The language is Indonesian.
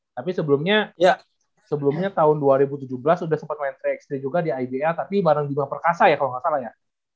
tapi sebelumnya tahun dua ribu tujuh belas udah sempet main try x tiga juga di ibl tapi bareng mila perkasa ya kalau nggak salah ya